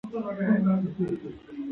هندوکش د افغانستان د موسم د بدلون سبب کېږي.